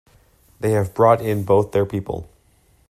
They have brought in both their people.